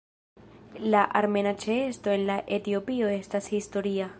La armena ĉeesto en Etiopio estas historia.